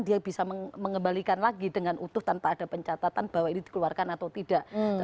dia bisa mengembalikan lagi dengan utuh tanpa ada pencatatan bahwa ini dikeluarkan atau tidak